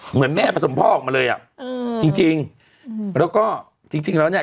เหมือนแม่ผสมพ่อออกมาเลยอ่ะอืมจริงจริงอืมแล้วก็จริงจริงแล้วเนี่ย